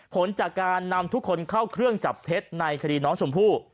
ผลจากการนำทุกคนเข้าเครื่องจับเท็จในคดีน้องชมพู่